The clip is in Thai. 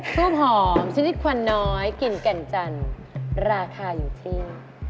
ทูบหอมชนิดควันน้อยกลิ่นแก่นจันทร์ราคาอยู่ที่